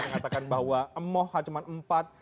mengatakan bahwa emoh hanya empat